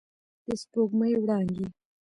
د سپوږمۍ وړانګې